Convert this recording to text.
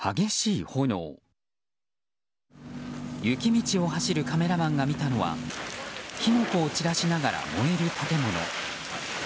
雪道を走るカメラマンが見たのは火の粉を散らしながら燃える建物。